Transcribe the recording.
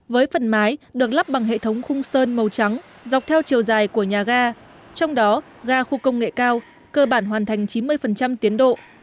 với phần mái được lắp bằng hệ thống khung sơn màu trắng dọc theo chiều dài của nhà ga trong đó ga khu công nghệ cao cơ bản hoàn thành chín mươi tiến độ